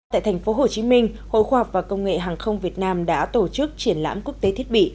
tại thành phố hồ chí minh hội khoa học và công nghệ hàng không việt nam đã tổ chức triển lãm quốc tế thiết bị